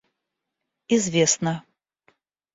известно